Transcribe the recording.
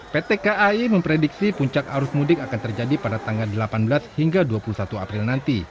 pt kai memprediksi puncak arus mudik akan terjadi pada tanggal delapan belas hingga dua puluh satu april nanti